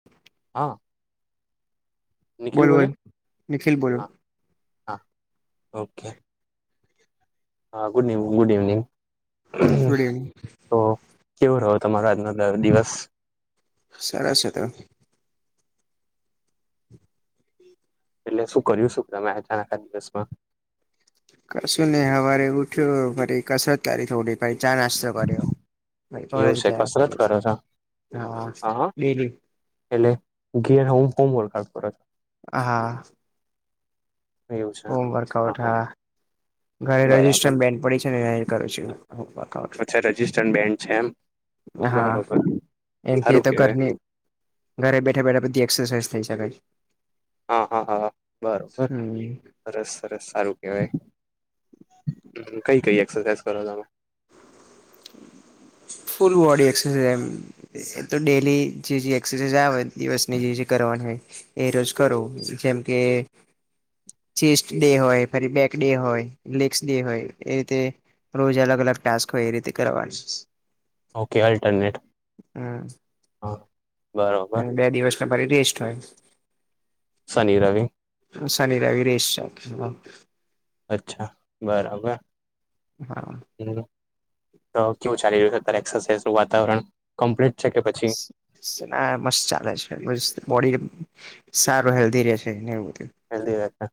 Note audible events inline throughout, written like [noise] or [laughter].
[inaudible] હા. નિખિલ બોલ બોલે. બોલ નિખિલ બોલો હા, હા, ઓકે. હા good eve good evening. Good evening. [inaudible] તો કેવો રહ્યો તમારો આજનો દા દિવસ? સરસ હતો. એટલે શું કર્યું શું તમે અચાનક આ દિવસમાં? કશું નહીં હવારે ઉઠયો ફરી કસરત કરી થોડી. પહી ચા નાસ્તો કર્યો, પછી એવું કોલેજ છે ગયા કસરત પછી. કરો છો હા ડેલી. એટલે ઘેર હોમ હું વર્કઆઉટ કરો છો? હા એવું છે. હોમ હા વર્કઆઉટ હા. ઘરે બરાબર રજિસ્ટર બેનપડી છે ને એનાથી કરું છું હોમવર્ક. અચ્છા રજીસ્ટર બેન છે એમ? હા બરોબર. એમથી સારું તો કેવાય. ઘરની ઘરે બેઠા બેઠા બધી એક્સરસાઇઝ થઇ શકે છ હ હ હ બરોબર. હમ સરસ સરસ. સારું કેહેવાય. હમ કઈ કઈ એક્સરસાઈઝ કરો તમે? ફુલ બોડી એક્સરસાઝ એમ. એતો ડેલી જે જે એક્સરસાઈઝ આવે દિવસની જે જે કરવાની હોય. એ રોજ કરો. જેમ કે ચેસ્ટ ડે હોય, ફરી બેક ડે હોય, લેગસ ડે હોય એ રીતે રોજ અલગ અલગ ટાસ્ક હોય એ રીતે કરવાની. Okay alternate. હમ હા બરોબર અને બે દિવસનો પછી રેસ્ટ હોય. શનિ, રવિ. હું શનિ રવિ રેસ્ટ હોય. હહ અચ્છા, બરાબર. હા હમ તો કેવું ચાલી રહ્યું છે અતારે એક્સરસાઇઝનું વાતાવરણ? કમ્પ્લીટ છે કે પછી ના મસ્ત ચાલે છે. મસ્ત બોડી સારું હેલ્ધી રે છે ને એવું કે હેલ્દી રહે છે.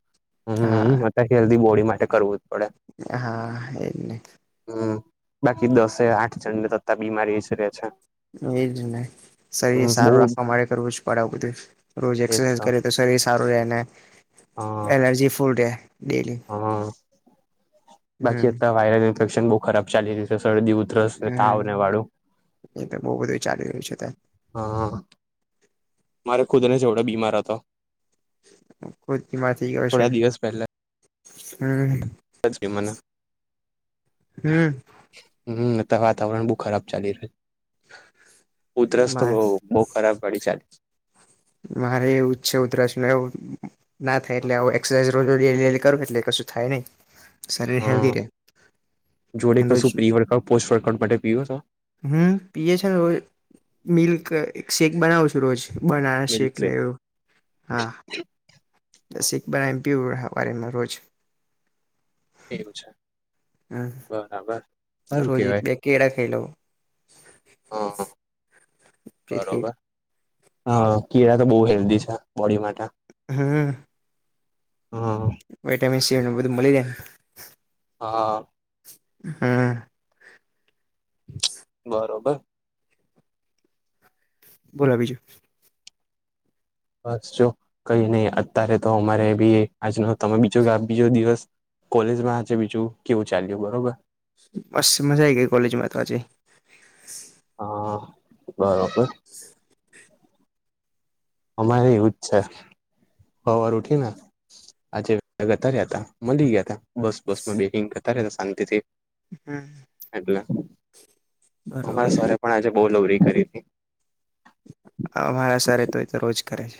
હમ અતારે હેલ્ધી બોડી માટે કરવું જ પડે. હા એજ ને. હમ બાકી દસે આઠ જણને તો અતા બીમારી જ રે છે. હમ એજ ને શરીર હમ બહુ સારું રાખવા માટેે કરવું જ પડે આવું બધું. રોજ એકસરસાઈઝ કરી તો શરીર સારું રહે અને, હા એનર્જી ફૂલ રે. હા બાકી હમ અતા વાઈરલ ઇન્ફેક્શન બહુ ખરાબ ચાલી રયુ. તો શરદી, ઉધરસ ને, હમ તાવને વાળું. એ તો બહુ બધું ચાલી રહ્યું છે હહ હહ મારે ખુદને જ એવડો બીમાર હતો. ખોદીમાંથી ગયો છે થોડા દિવસ પહેલા હમ. [inaudible] મને હમ હમ અતા વાતાવરણ બહુ ખરાબ ચાલી રહ્યું. ઉધરસ તો બહુ મારે બહુ ખરાબ વાડી ચાલશે ‌. મારે એવું છે ઉધરસ ન એવું ના થાય એટલે એક્સરસાઇઝ રોજ રોજ ધીરે ધીરે કરું એટલે કશું થાય નઈ. હહ. જોડે રોજ કશું પ્રી વડકદ પોસ્ટ વડકડ માટે પીઓ છો? હમ પીએ છે ને રોજ મિલ્ક એક શેક બનાવું છું રોજ બનાના. શેકને મિલ્કશેક એવું. હા એટલે શેક બનાવીને પીવું હવારેમાં રોજ. એવું છે? હમ બરાબર. સારું રોજ એક કેવાય બે કેળા ખાઈ લવ. હા હા જેથી બરોબર. હ કેળા તો બઉ હેલ્ધી છે બોડી માટે. હું. હા. વિટામિન સી એ બધું મલી જાય. હા. હું. બરોબર. બોલો બીજું. બસ જો કઈ નહી અત્યારે તો અમારે બી આજનો તમે બીજો આ બીજો દિવસ. કોલેજમાં છેે બીજું કેવું ચાલ્યું બરોબર. બસ મજા આઈ ગઈ કોલેજમાં તો આજે. હા બરોબર. સ. અમારે એવુંજ છે હવાર ઉઠીને. આજે જતા રહ્યા હતા મળી ગયા હતા બસ બસ માં બે ગતા રહ્યા હતા શાંતિથી. હમ. એટલે અમારા બરોબર સરે પણ આજે બો લવરી કરી તી. અમારા સરે તો એ તો રોજ કરે છે.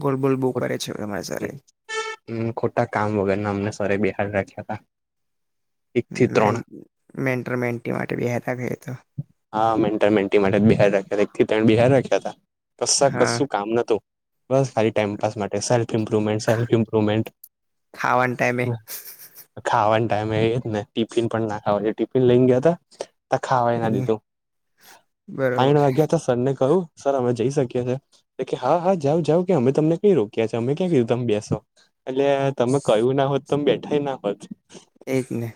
બોલ બોલ બો કરે છે અમા સરે. ખોટા કામ વગરના અમને સરે બેહાડી રાખ્યાં હતાં. મેન્ટ મેન્ટી માટે બેતાહ ગયતો. હા મેન્ટર મન્ટી માટે બેહાર રાખ્યા એક થી ત્રણે બિહાર રાખ્યા હતા કશા હા કશું. કામ નોતું બસ ખાલી ટાઈમ પાસ માટે સર. ઇમ્પ્રુવમેન્ટ સેલ્ફ ઇમ્પ્રુવમેન્ટ ખાવાના ટાઈમે હ. ખાવાના ટાઈમે એજ ને ટિફિન પણ ના ખાવાય દે ટિફિન લઈને ગયાં હતાં. ત ખાવા ના એને દીધું ત્રણ બરોબર વાગ્યા તો. સર ને કહું સર અમે જઈ શકીએ છીએ. એ કે હા હા જાવ જાવ કે અમે તમને કઈ રોક્યા છે. અમે ક્યાં કીધું તમે બેસો એટલે તમે કયું ના હોત તો બેઠા ના હોત. એજને.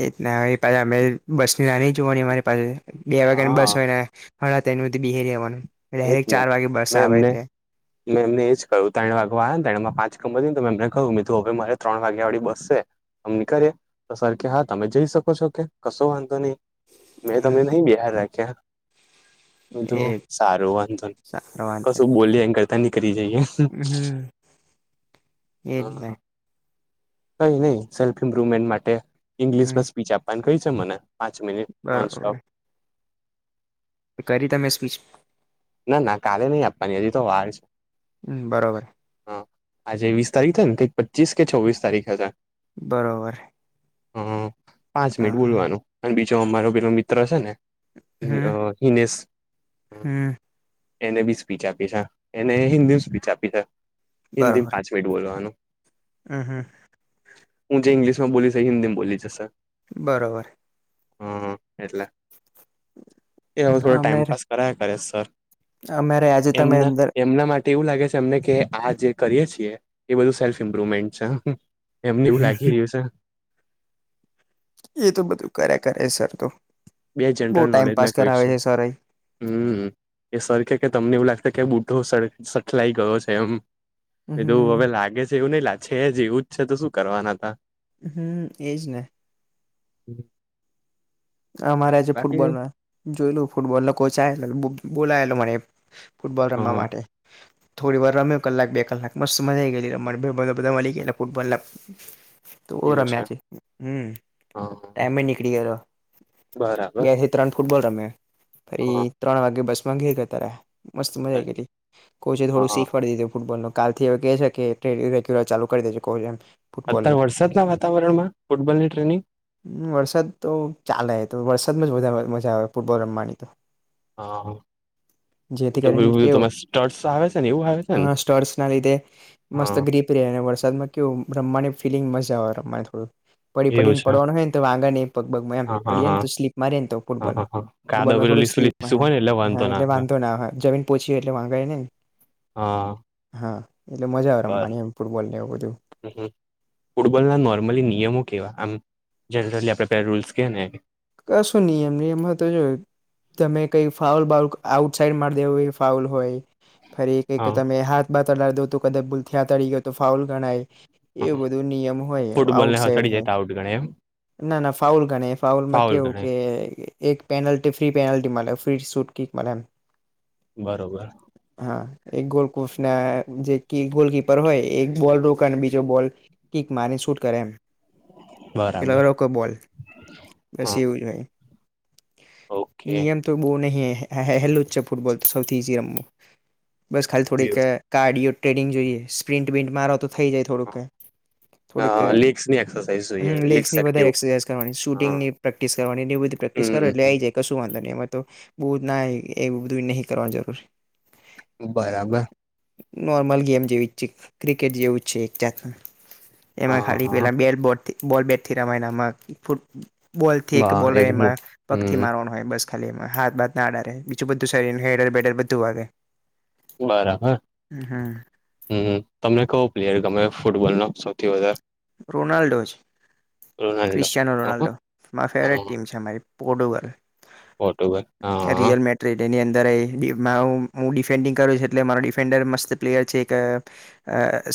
એજ ને ઇ પાછા અમે બસ ની નાની જોવા અરી પાસે બે વાગ્યાની હા બસ હોયને. હાડા ત્રળ હુદી બેહી રેવાનું એજ ડાયરેક્ટ ને ચાર વાગે બસ મેં આવે એમને તે. મેં એમને એ જ કહ્યું ત્રણ વાગવા આને તણે પાચ ખબરની ત મે એમને કહ્યું મીકુ હવે મારે ત્રણ વાગ્યા વાળી બસસે. અમે નીકળએ તો સર કે હા તમે જઈ શકો છો કે કશો વાંધો નહીં. મેં હમ તમને નહીં બેહાર રાખ્યા. એ. હારુ વાંધો ની સારો વાંધો નઈ કશું બોલ્યા એન કરતાં નકળી જઈએ. એ જ ને. કઈ નહીં સેલ્ફ ઇમ્પ્રુવમેન્ટ માટે હમ ઈંગ્લિશમાં સ્પીચ આપવાની કઈ છે મને. પાંચ મિનિટ નોનસ્ટોપ. એ કરી તમે સ્પીચ? ના ના કાલે નહીં આપવાની હજી તો વાર છે. હમ બરોબર. હ આજે વીસ તારીખ છે ને પચીસ કે છવ્વીસ તારીખ હશે. બરોબર. હ પાંચ હા મિનિટ હા બોલવાનું અને બીજો અમારો પેલો મિત્ર છે ને. ઈ અ હિનેસ. હું. એને બી સ્પીચ આપી છે એને હિન્દી સ્પીચ આપી છે હિન્દી બરોબર પાંચ મિનિટ બોલવાનું. હમ હમ. હું જે ઈગ્લિશમાં બોલીશ એ હન્દીમાં બોલ્યી છે સર બરોબર! હા એટલે એ હવે થોડો ટાઈમ અમેર પાસ કરાય કરે સર અમારે આજે તમે એમના અંદર એમના માટે એવું લાગે છે અમને કે આ જે કરીએે છીએ એ બધું સેલ્ફ ઇમ્પ્રુવમેન્ટ છે. હમ હમ એમને એવું હમ લાગી રહ્યું છે. એ તો બધું કરે કરે સર તો બે બહુ જનરલ ટાઈમ નોલેજ ના પાાસ કરાવે ક્વેશ્ચન છે સર હમ એ સર કેય કે તમને એવું લાગ તે કે બુઢ્ઢો સર સખલાઈ ગયો છે એમ બીધું હમ હવે લાગે છે એવું નઈ લાગે છે છે જ એવું જ છે તો શું કરવાના તા હમ એજ ને. અમારે આજે બાકી ફૂટબોલમાં જોયલું ફૂટબોલ ન કોચ આવેલો બોલાયેલો મને ફૂટબોલ રમવા હ માટે. થોડી વાર રમ્યો કલાક બે કલાક મસ્ત મજા આવી ગયેલી રમવાની બધાં મળલી ગેલા ફૂટબોલમાં [inaudible] તો ઓ રમ્યા છે હમ હ ટાઈમ નનીકળ ગ બરાબર જ ત્રણ ફૂટબોલ રમે ફરી હા ત્રણ વાગે બસ માં ઘેર ગયા કરતાં મસ્ત મજા આવી ગયેલી કોચ એ થોડું હા શીખવાડી દીધું ફૂટબોલનું. કાલ થી હવે કેય છે કે ટ્રેનિંગ રેગ્યુલર ચાલુ કરી દેજે કોય એમ ફૂટબોલનું અત્યારે વરસાદના વાતાવરણ માં ફૂટબોલ ની ટ્રેનિંગ. વરસાદ તો ચાલે તો વરસાદમાં જ વધારે મજા આવે ફૂટબોલ રમવાનીતો હા, હું ‌. જેથી કરીને કેવું સ્ટર્ટસ આવે છે ને એવું આવે છે ને સ્ટોર્સ ના લીધે મસ્ત હા ગ્રીફ અને વરસાદમાં કેવું રમવાની ફિલિંગ મજા આવે રમવા થોડું પડી એવું પડીને છે પડવાનું હોય નેતો વાગે નહીં પગબગ એમ. હા હા પડીએ હા ને સ્લીપ મારીને તો હા ફૂટબોલ હા હા કાદવ ફૂટબોલ માં પેલું થોડું લીસું સ્લીપ હ લીસું હોય ને હા વાંધો ના એટલે આવે વાંધોના જમીન પછીયે એટલે વાગેય ને હા. હા, એટલે મજા આવે બરાબર રમવાનીમ ફૂટબોલ ને એવું બધું. ફૂટબોલના નોર્મલી નિયમો કેવા આમ જનરલી આપણે બે રૂલ્સ કેને કશું ન એમની એમાં તો જ. તમે કઈ ફાઉલ બાઉલ આઉટ સાઇડ મારી દેવ એ ફાઉલ હોય. ફરી એક કે હા તમે હાથ બાથ તલાવ દોતું કદા ભૂલ થયા તળડી ગયો તો ફાઉલ ગણાય. હા એવું બધું નિયમ હોય ફૂટબોલને આઉટસાઈડ હથડી હે જાય તો આઉટ ગણે એમ ના ના ફાઉલ ગણે ફાઉલમાં ફાઉલ કેવું ગણે કે એક penalty free, penalty free, shoot kick મલે. બરોબર. હા, એક ગોલકૂફ ના જે ગોલકીપર હોય એક બોલ રોકા અને બીજો બોલ. કિક મારી શૂટ કરે એમ પેલો બરાબર. રોકે બોલ બસ હા એવું જ હોય ઓકે નિયમ. તો બહુ નહીં હેલ્લું જ છે, ફૂટબોલ તો સૌથી ઇઝી રમવું બસ ખાલી થોડીક. કાર્ડિયો ટ્રેડિંગ જોઈએ સ્પ્રિન્ટ બિન્ટ મારો તો થઈ જાય થોડુંક. થોડીક લીગ્સની એક્સરસાઇઝ જોઈએ લીગ્સ લેગ્સની એક્ટિવ વધારે એક્સાઝ કરવાની હા શૂટીંગની ઈ સેવનની પ્રેટીકસ કરવાની એ બધું પ્રેક્ટિસ કરો એટલે હમ આવી જાય. કશું વાંધોને એમાં તો બહુ જના એ બધું નહી કરવાની જરૂર. બરાબર. નોર્મલ ગેમ જેવી છે, ક્રિકેટ જેવું છે, એક જાતમાં એમાં હા ખાલી હા પહેલાં બેટ બોટબોલ બેટથી રમાયનામાં ફૂટબોલ. બોલથી એક બા બોલ મુ- એમાં પગથી હમ મારવાનો. હ બસ ખાલીમાં હાથ ભાતના આડે બીજું બધું શરીર હેડર બેેડર બધું વાગે. બરાબર હમ હમ્મ તમને કવ પ્લેયર ગમે ફૂટબોલ નો સૌથી વધારે. રોનાલ્ડો જ રોનાલ્ડો ક્રિશિયાનો હ રોનાલ્ડો મારી ફેવરેટ ટીમ છે, મારી પોર્ટુગલ. ફોટો બોઇક હ, હ. ટ્રેડરની અંદર એમાં હું ડિફેન્ડિંગ કરું છું, એટલે મારો ડિફેન્ડર મસ્ત પ્લેયર છે, એક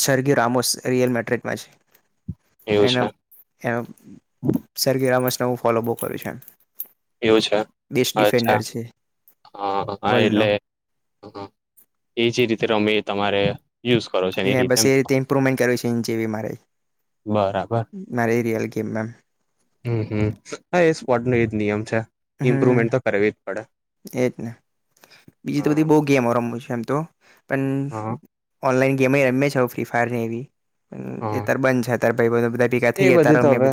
સર્ગી રામોસ રિયલ મેટ્રિક માં છે. એવું એને છે એ સરગી રામસને હું ફોલો બહુ કરું છે. એવું છે, બેસ્ટ અચ્છા ડિફેન્ડર હ હ વર્લ્ડનો એટલે. એ જે રીતે રમે તમારે. યુઝ કરો છો એની એ બસ એમ એ રીતે ઇમ્પ્રુવમેન્ટ કરવી છે, એ જેવી મારે. બરાબર. મારે એરિયાલ ગેમ રમ. હમ્મ હમ્મ હ એ સ્પોર્ટ ન એજ નિયમ છે. હમ ઇમ્પ્રુવમેન્ટ તો કરવી જ પડે. એજ ને બીજી તો હા બધી બહુ ગેમો રમું છે, એમ તો પણ હા ઓનલાઈન ગેમ રમે છે, ફ્રી ફાયર ને એવી હા તરબંધ છે. અ તારાઈ એ બધી તો હવે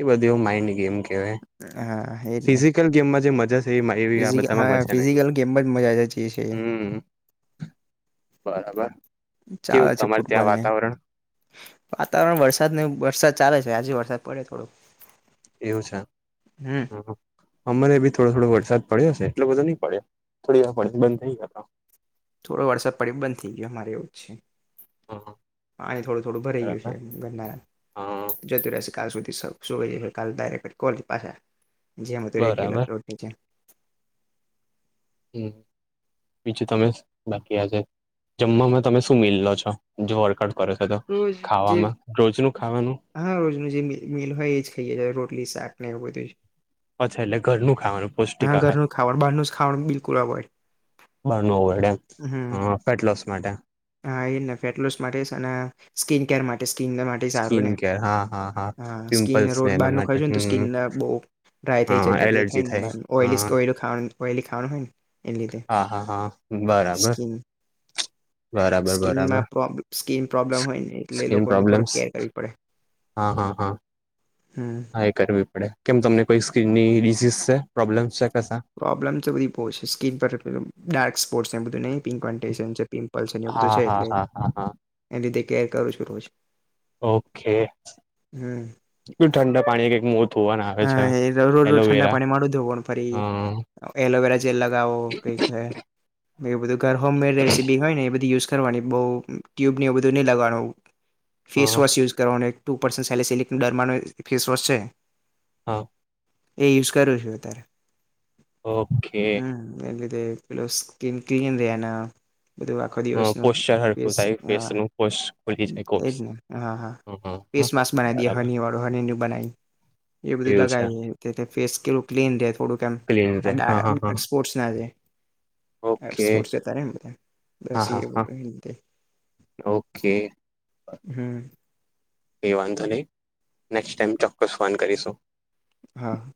એ બધી માઇન્ડ ગેમ કેવાય હા એજ ને ફીજી કલ ગેમમાં જે મજા છે એવી આ ફિઝિકલ બધામાં હા મજા ન ફિઝિકલ ગેમ જ મજા જે છે છે હમ્મ બરાબર ચાલે કેવું છે તમાર ફૂટબોલ ત્યાં ને વાતાવરણ. વાતાવરણ વરસાદ ને વરસાદ ચાલે છે આજે વરસાદ પડયો થોડો. એવું છે હમ હ. અમને બી થોડો થોડો વરસાદ પડ્યો છે એટલો બધો નહી પડ્યો થોડી વાર પડ્યો બંધ થઈ ગ્યોતો. થોડો વરસાદ પડી બંધ થઈ ગયો અમારે એવું છે હમ પાણી થોડું થોડું ભરાઈ ગયું છે. બરાબર હા [unintelligible] જતું રહેશે કાલ સુધી સુઈ જશ કાલ ડાયરેક કોલેજ પાછા. જી હ તો રેગ્યુલર બરાબર પ્રવુતિ છે હમ્મ બીજું તમે બાકી આવ છે જમમાં તમે શું મી લો છો જો વર્કઆઉટ છે તો રોજ જે ખાવામાં રોજ નું ખાવાનું. હા રોજનું જે મિલ હોય એ જ ખાઈએ જ રોટલી શાક ને એવું બધું. અચ્છા એટલે ઘરનું ખાવાનું પૌષ્ટિક હા આહાર ઘરનું ખાવાનું બહાર નું ખાવાનું બિલકુલ એવોઇડ. બહારનું એવોઇડ એમ ફેટલોસ માટે. હા એ ને ફેટ લોસ માટે અને સ્કીન કેર માટે સ્કીન સારું સ્કીન ને કેર હા હા હા સ્કીિન પિમ્પલ્સ રોજ ને એના બાર નુ ખઉ માટે છો ને તો હમ સ્કીિન બ ડ્રાય થઈ જ હા એ બધું થાય એલર્જી ને બ ઓલીસ હા ઓઈલી ખાવાનું હોય ને એ લીધે. હા હા હા. બરાબર. બરાબર સ્કિનમા બરાબર પ્રોબ સ્કીન પ્રોબ્લેમ હોય ને એટલે સ્કીન લોકોને થોડુંક પ્રોબ્લેમ્સ કેર કરવી પડે. હા હા હા. હમ્મ હા એ કરવી પડે કેમ તમને કોઈ સ્કીન ની ડિસીઝ છે પ્રોબ્લેમ છે કસા. પ્રોબ્લેમ તો બધી બુ છે સ્કકીન પર ડાર્ક સ્પોટ એ બધું નહી પંક પલ્સર બધું હા છે હા એટલે હા હા હા એ લીધે કેર કરું છું રોજ. ઓકે હમ બ ઠંડા પાણી કે એક મોત હ એ ર રડ ઠંડા પાણી મળદ હ પણ પરી. હા એલોવેરા જેલ લગાવો કઈક એવું બધું ઘર હોમમેડ રેસીપી હોય ને એ બધી યુઝ કરવારવાની બહુ ટ્યુબ ન એવું બધું નહીં લગવાનું હા ફેસવોશ યુઝ કરવાનું ટુ પર્સન્ટ સેલેસલિકનો ડરમાનો ફેસવોશ છે. હા. એ યુઝ કરું છું અતારે ઓકે હમ એ લીધ પેલો સ્કિન ક્લીન રે ને આખો દિવસ હ ન પોસ્ચર હરખું હ થાય ફેસનું પોસ્ ખુલી જાય એજ કોપ્સ ને હા હા. પેસ માસ્સ બનાઈ દએ ખ હોનીઓર હની ન બનાઈ. એ બધું એવું છે લગાવ ફેસ કેલું ક્લીન રહે થોડુંકમ ક્લીન રે હા હા હા પોર્ટ ના છે ઓકે સ્પોર્ટ જે તારે હા હા હા દ ઓકે હમ. એ વાંધો નહીં નેક્સ્ટ ટાઈમ ચોક્કસ ફોન કરીશું. હા.